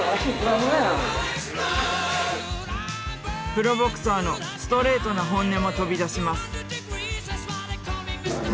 プロボクサーのストレートな本音も飛び出します。